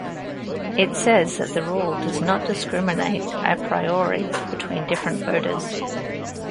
It says that the rule does not discriminate apriori between different voters.